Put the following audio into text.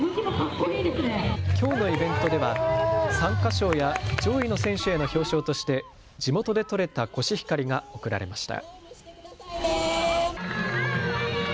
きょうのイベントでは参加賞や上位の選手への表彰として地元で取れたコシヒカリが贈られました。